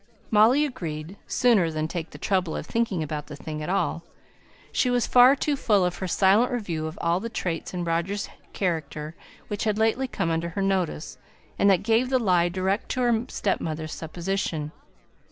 Molly agreed, sooner than take the trouble of thinking about the thing at all; she was far too full of her silent review of all the traits in Roger's character which had lately come under her notice, and that gave the lie direct to her stepmother's supposition.